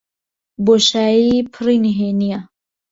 بۆشایی پڕی نهێنییە.